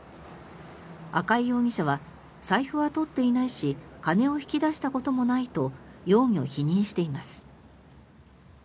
赤井容疑者は財布は取っていないし金を引き出したこともないと容疑を否認しています。